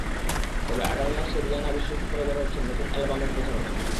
তবে আগামী মাসে রিয়ানা বিশ্ব সফরে বের হচ্ছেন নতুন অ্যালবামের প্রচারণায়।